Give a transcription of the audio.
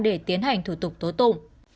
để tiến hành thủ tục tố tụng